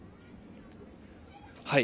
はい。